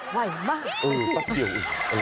หมายความอยู่กันเนี่ยไหวมาก